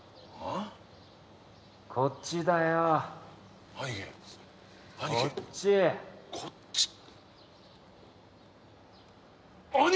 こっちだよ兄貴こっち兄貴